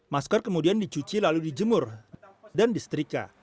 masker kemudian dicuci lalu dijemur dan disetrika